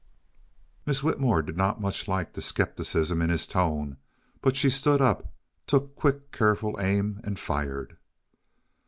Miss Whitmore did not much like the skepticism in his tone, but she stood up, took quick, careful aim and fired.